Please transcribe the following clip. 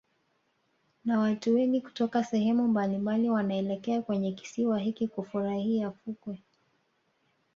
Na watu wengi kutoka sehemu mbalimbali wanaelekea kwenye kisiwa hiki hufurahia fukwe